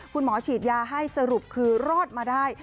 คุณหมอฉีดยาให้สรุปคือรอดมาได้